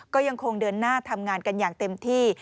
ก็ยังคงเดินหน้าทำงานกันอย่างเต็มที่